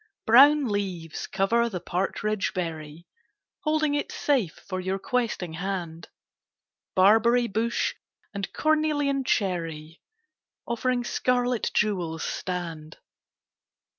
Brown leaves cover the partridge berry, \ Holding it safe for your questing hand. Barberry bush and cornelian cherry Offering scarlet jewels stand.